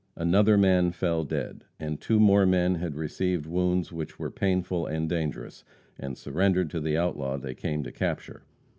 Another man fell dead, and two more men had received wounds which were painful and dangerous, and surrendered to the outlaw they came to capture.